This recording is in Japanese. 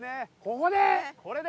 ここで。